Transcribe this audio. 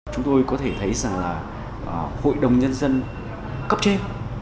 chúng tôi có thể thấy rằng là hội đồng nhân dân cấp trên